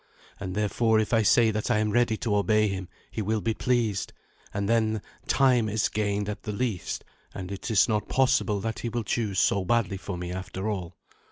And, therefore, if I say that I am ready to obey him, he will be pleased; and then time is gained at the least, and it is not possible that he will choose so badly for me after all."